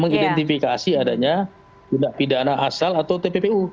mengidentifikasi adanya tindak pidana asal atau tppu